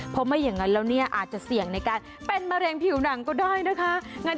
เพราะไม่อย่างเงี้ยอาจเสี่ยงในการเป็นแมรงผิวหนังนะคะ